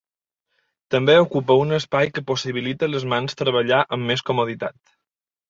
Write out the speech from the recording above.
També ocupa un espai que possibilita les mans treballar amb més comoditat.